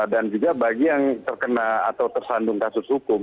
dan juga bagi yang terkena atau tersandung kasus hukum